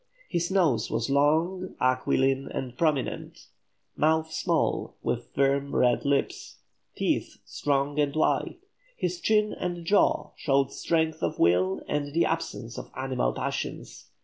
His nose was long, aquiline, and prominent; mouth small, with firm red lips; teeth strong and white. His chin and jaw showed strength of will and the absence of animal passions.